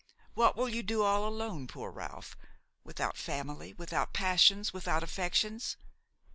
What will you do all alone, poor Ralph, without family, without passions, without affections?